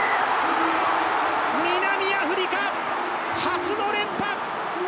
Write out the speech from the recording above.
南アフリカ、初の連覇！